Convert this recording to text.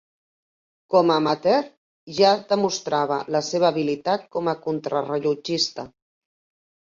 Com a amateur ja demostrava la seva habilitat com a contrarellotgista.